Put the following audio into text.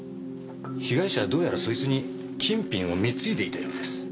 被害者はどうやらそいつに金品を貢いでいたようです。